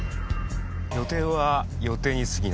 予定は予定にすぎないんだよ。